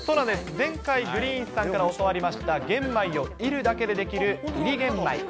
前回、グリーンさんから教わりました、玄米を煎るだけでできる煎り玄米。